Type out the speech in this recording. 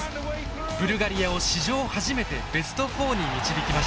ブルガリアを史上初めてベスト４に導きました。